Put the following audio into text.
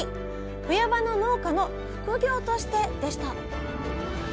冬場の農家の副業としてでした